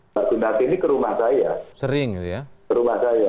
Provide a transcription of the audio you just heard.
mbak gunarti ini ke rumah saya